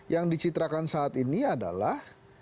yang dicitrakan saat ini adalah